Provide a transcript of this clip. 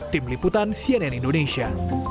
tim liputan cnn indonesia